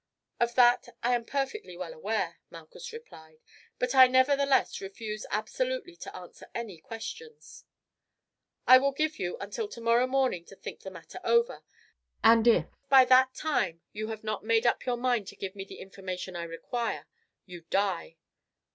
"Of that I am perfectly well aware," Malchus replied; "but I nevertheless refuse absolutely to answer any questions." "I will give you until tomorrow morning to think the matter over, and if by that time you have not made up your mind to give me the information I require, you die."